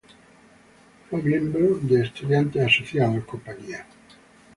Fue miembro de Estudiantes Asociados, Inc.